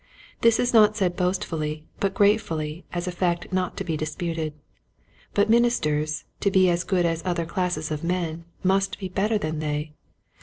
This is not said boastfully but gratefully as a fact not to be disputed. But ministers to be as good as other classes of men must be better than they.